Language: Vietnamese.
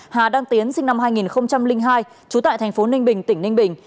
hà đăng tiến sinh năm hai nghìn hai trú tại thành phố ninh bình tỉnh ninh bình